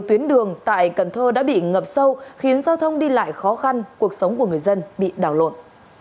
tuyến đường tại cần thơ đã bị ngập sâu khiến giao thông đi lại khó khăn cuộc sống của người dân bị đảo lộn